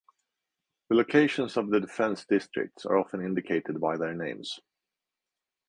The locations of the defence districts are often indicated by their names.